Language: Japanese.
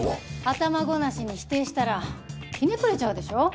頭ごなしに否定したらひねくれちゃうでしょ。